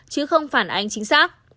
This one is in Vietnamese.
chứ không phản ánh chính xác